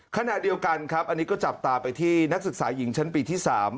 ขณะเดียวกันครับอันนี้ก็จับตาไปที่นักศึกษาหญิงชั้นปีที่๓